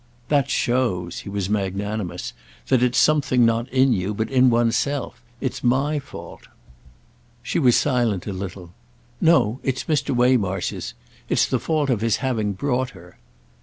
"That shows"—he was magnanimous—"that it's something not in you, but in one's self. It's my fault." She was silent a little. "No, it's Mr. Waymarsh's. It's the fault of his having brought her."